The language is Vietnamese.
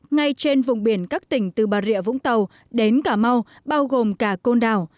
ngay trên vùng biển các tỉnh từ bà rịa vũng tàu đến cà mau bao gồm cả côn đảo